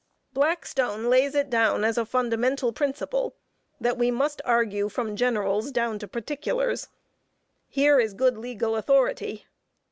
Blackstone lays it down as a fundamental principle, that we "must argue from generals down to particulars." Here is good legal authority.